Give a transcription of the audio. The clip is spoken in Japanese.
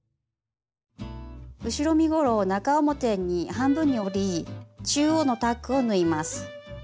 後ろ身ごろを中表に半分に折り中央のタックを縫います。